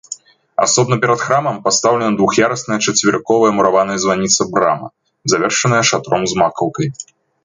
Асобна перад храмам пастаўлена двух'ярусная чацверыковая мураваная званіца-брама, завершаная шатром з макаўкай.